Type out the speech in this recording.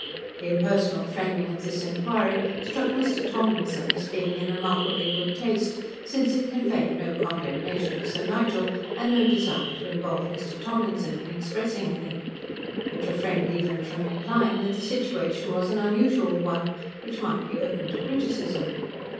The impersonal framing of this inquiry struck Mr. Townlinson as being in remarkably good taste, since it conveyed no condemnation of Sir Nigel, and no desire to involve Mr. Townlinson in expressing any. It refrained even from implying that the situation was an unusual one, which might be open to criticism.